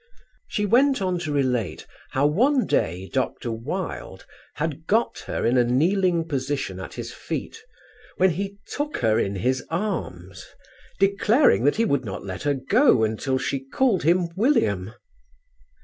She went on to relate how one day Dr. Wilde had got her in a kneeling position at his feet, when he took her in his arms, declaring that he would not let her go until she called him William.